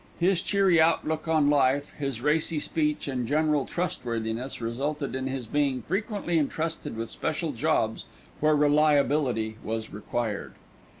His cheery outlook on life, his racy speech and general trustworthiness resulted in his being frequently entrusted with special jobs where reliability was required.